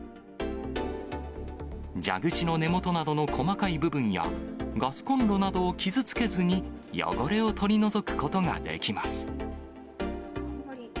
蛇口の根元などの細かい部分や、ガスこんろなどを傷つけずに、汚れを取り除くことができます。